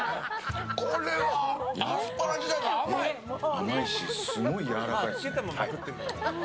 甘いしすごいやわらかいですね。